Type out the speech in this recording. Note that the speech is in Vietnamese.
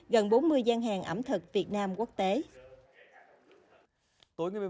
gần bốn mươi gian hàng ẩm thực việt nam quốc tế